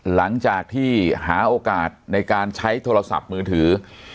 หลังจากที่หาโอกาสในการใช้โทรศัพท์มือถือ